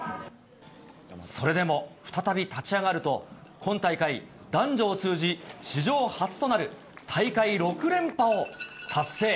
それでも、再び立ち上がると、今大会、男女を通じ史上初となる大会６連覇を達成。